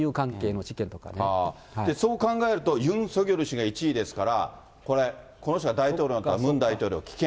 そう考えると、ユン・ソギョル氏が１位ですから、これ、この人が大統領になったらムン大統領危険。